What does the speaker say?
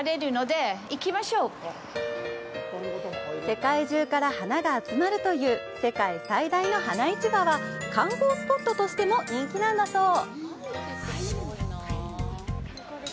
世界中から花が集まるという世界最大の花市場は観光スポットとしても人気なんだそう。